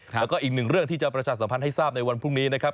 แล้วก็อีกหนึ่งเรื่องที่จะประชาสัมพันธ์ให้ทราบในวันพรุ่งนี้นะครับ